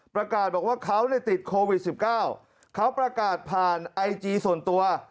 ประกาศบอกว่าเขาติดโควิด๑๙เขาประกาศผ่านไอจีส่วนตัว